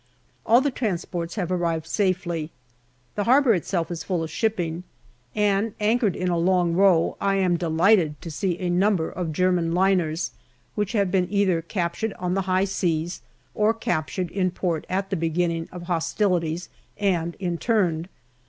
All the transports have arrived safely. The harbour itself is full of shipping, and anchored in a long row I am delighted to see a number of German liners which have been either captured on the high seas or captured in port at the beginning of hostilities and interned.